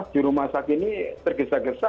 jurumasak ini tergesa gesa